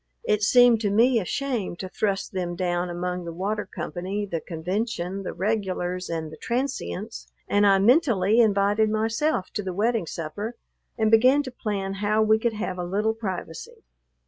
It seemed to me a shame to thrust them down among the water company, the convention, the regulars, and the transients, and I mentally invited myself to the wedding supper and began to plan how we could have a little privacy.